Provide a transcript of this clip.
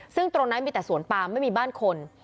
ซึ่งตรงนั้นมีแต่สวนปามไม่มีบ้านคน